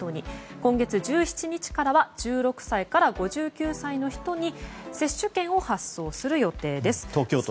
今月１７日からは１６歳から５９歳の人に接種券を発送する予定です。